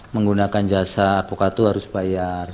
menggunakan jasa advokat itu harus bayar